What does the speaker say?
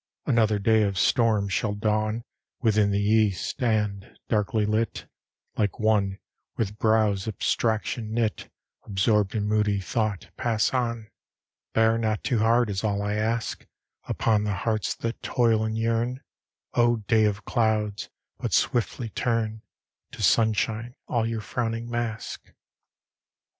Another day of storm shall dawn Within the east; and, darkly lit, Like one, with brows abstraction knit, Absorbed in moody thought, pass on. Bear not too hard, is all I ask, Upon the hearts that toil and yearn, O day of clouds! but swiftly turn To sunshine all your frowning mask.